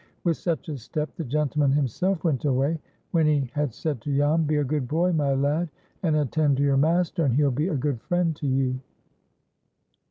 With such a step the gentleman himself went away, when he had said to Jan, "Be a good boy, my lad, and attend to your master, and he'll be a good friend to you."